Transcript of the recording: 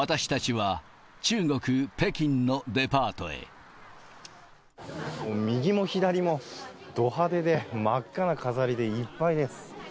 きのう、右も左も、ど派手で真っ赤な飾りでいっぱいです。